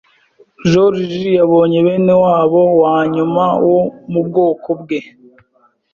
Joriji yabonye benewabo wanyuma wo muubwoko bwe.